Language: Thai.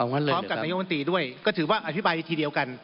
พร้อมกับนายกมนตรีด้วยก็ถือว่าอธิบายทีเดียวกัน